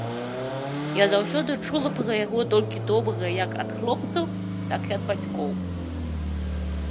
Я заўсёды чула пра яго толькі добрае як ад хлопцаў, так і ад бацькоў.